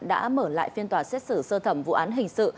đã mở lại phiên tòa xét xử sơ thẩm vụ án hình sự